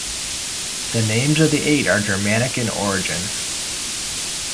The names of the eight are Germanic in origin.